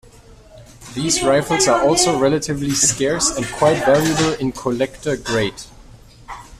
These rifles are also relatively scarce, and quite valuable in collector grade.